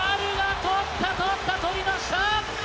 とりました！